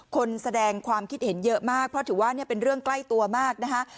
คนแสดงความคิดเห็นเยอะมากเพราะถือว่าเป็นเรื่องใกล้ตัวมากนะคะ